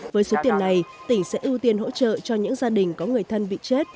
với số tiền này tỉnh sẽ ưu tiên hỗ trợ cho những gia đình có người thân bị chết